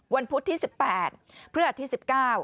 วันพุธที่๑๘เพื่อดที่๑๙